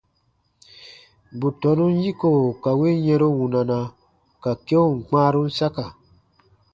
Bù tɔnun yiko ka win yɛ̃ru wunana, ka keun kpãarun saka.